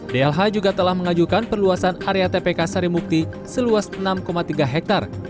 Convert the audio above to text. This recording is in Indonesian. dlh juga telah mengajukan perluasan area tpk sarimukti seluas enam tiga hektare